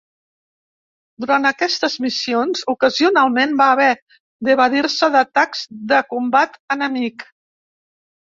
Durant aquestes missions ocasionalment va haver d'evadir-se d'atacs de combat enemic.